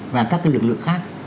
và các cái lực lượng khác